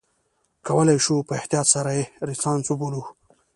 کولای شو په احتیاط سره یې رنسانس وبولو.